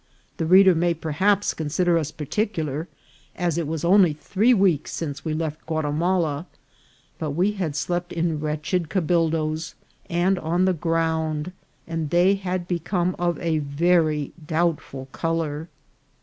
The reader may perhaps consider us particular, as it was only three weeks since we left Guatimala, but we had slept in wretched cabildoes, and on the ground, and they had become of a very doubtful colour.